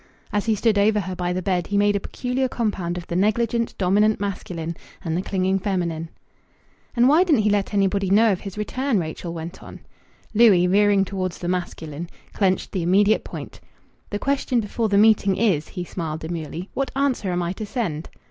As he stood over her by the bed, he made a peculiar compound of the negligent, dominant masculine and the clinging feminine. "And why didn't he let anybody know of his return?" Rachel went on. Louis, veering towards the masculine, clenched the immediate point "The question before the meeting is," he smiled demurely, "what answer am I to send?"